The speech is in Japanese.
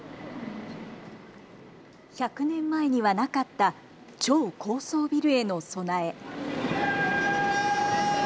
１００年前にはなかった超高層ビルへの備え。